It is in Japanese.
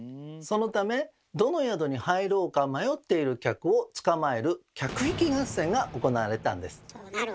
そのためどの宿に入ろうか迷っている客をつかまえる客引き合戦が行われたんです。